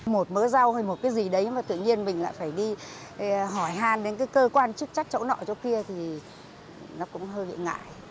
một mớ rau hay một cái gì đấy mà tự nhiên mình lại phải đi hỏi hàn đến cái cơ quan chức trách chỗ nọ chỗ kia thì nó cũng hơi bị ngại